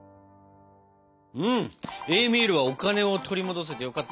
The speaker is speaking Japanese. エーミールはお金を取り戻せてよかったですね。